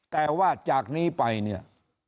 แต่ว่าจากนี้ไปเนี่ย